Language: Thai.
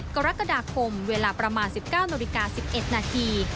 กรกฎาคมเวลาประมาณ๑๙นาฬิกา๑๑นาที